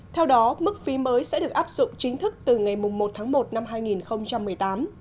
theo đó mức phí mới sẽ được áp dụng chính thức từ ngày một tháng một năm hai nghìn một mươi tám